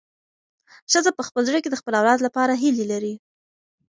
ښځه په خپل زړه کې د خپل اولاد لپاره هیلې لري.